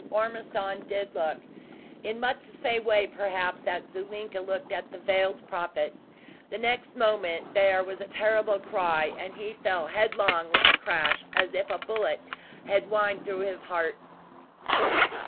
Ormiston did look in much the same way, perhaps, that Zulinka looked at the Veiled Prophet. The next moment there was a terrible cry, and he fell headlong with a crash, as if a bullet had whined through his heart.